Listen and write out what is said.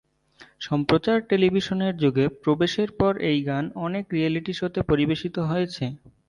সম্প্রচার টেলিভিশনের যুগে প্রবেশের পর এই গান অনেক রিয়েলিটি শোতে পরিবেশিত হয়েছে।